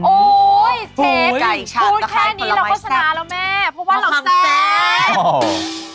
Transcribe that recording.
โอ๊ยเชฟพูดแค่นี้เราก็ชนะแล้วแม่เพราะว่าเราแซ่บ